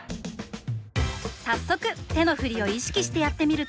早速手の振りを意識してやってみると。